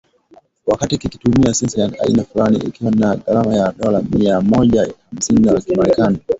wakati kikitumia sensa ya aina fulan, ikiwa na gharama ya dola mia moja hamsini za kimerekani